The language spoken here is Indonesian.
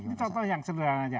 ini contoh yang sederhana saja